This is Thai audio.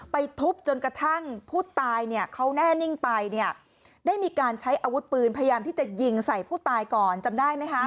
ไปทุบจนกระทั่งผู้ตายเนี่ยเขาแน่นิ่งไปเนี่ยได้มีการใช้อาวุธปืนพยายามที่จะยิงใส่ผู้ตายก่อนจำได้ไหมคะ